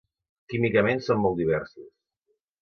Químicament són molt diversos.